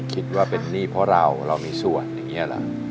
คิดว่าเป็นหนี้เพราะเราเรามีส่วนอย่างนี้เหรอ